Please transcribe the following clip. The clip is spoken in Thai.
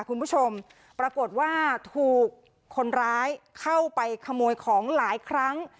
คุณผู้ชมปรากฏว่าถูกคนร้ายเข้าไปขโมยของหลายครั้ง